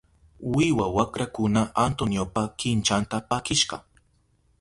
Wiwa wakrakuna Antoniopa kinchanta pakishka.